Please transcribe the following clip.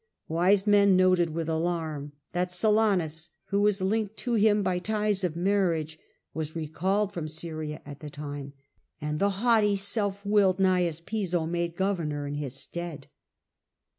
Yet men noted with alarm that Silanus, who was linked to him by ties of marriage, was recalled from appo?mm\mt^ Syria at the time, and the haughty, self willed Cnnsus Piso made governor in his stead.